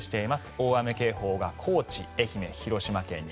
大雨警報が高知、愛媛、広島県に。